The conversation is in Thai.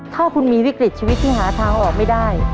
ถ้าคุณมีวิกฤตชีวิตที่หาทางออกไม่ได้